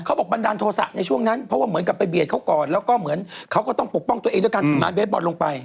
บันดาลโทษะในช่วงนั้นเพราะว่าเหมือนกับไปเบียดเขาก่อนแล้วก็เหมือนเขาก็ต้องปกป้องตัวเองด้วยการทำงานเบสบอลลงไป